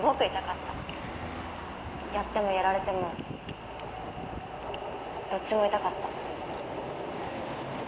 やってもやられてもどっちも痛かった。